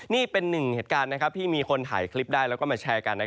นี่เป็นหนึ่งเหตุการณ์ที่มีคนถ่ายคลิปได้แล้วก็มาแชร์กัน